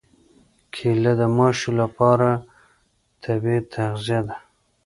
کېله د ماشو لپاره طبیعي تغذیه ده.